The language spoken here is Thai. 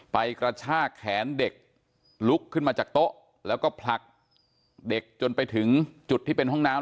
กระชากแขนเด็กลุกขึ้นมาจากโต๊ะแล้วก็ผลักเด็กจนไปถึงจุดที่เป็นห้องน้ำ